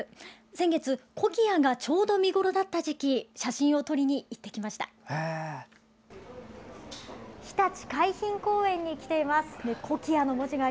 先月、コキアがちょうど見頃だった時期写真を撮りにいってきました。